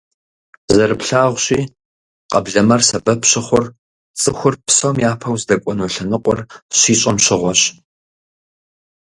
Зэрыплъагъущи, къэблэмэр сэбэп щыхъур цӀыхур псом япэу здэкӀуэну лъэныкъуэр щищӀэм щыгъуэщ.